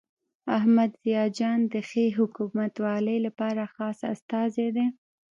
احمد ضیاء جان د ښې حکومتولۍ لپاره خاص استازی دی.